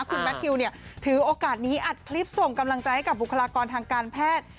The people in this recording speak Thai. คุณแมททิวเนี่ยถือโอกาสนี้อัดคลิปส่งกำลังใจให้กับบุคลากรทางการแพทย์